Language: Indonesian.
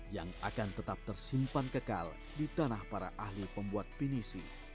yang akan tetap tersimpan kekal di tanah para ahli pembuat pinisi